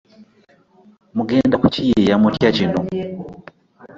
Mugenda kukiyiiya mutya kino?